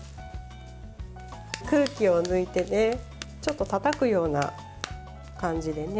空気を抜いてちょっと、たたくような感じでね。